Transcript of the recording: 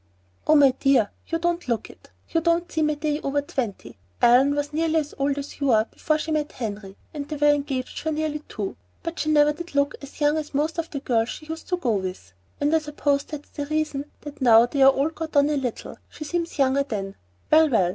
"Oh, my dear, but you don't look it! You don't seem a day over twenty. Ellen was nearly as old as you are before she ever met Henry, and they were engaged nearly two But she never did look as young as most of the girls she used to go with, and I suppose that's the reason that now they are all got on a little, she seems younger than Well, well!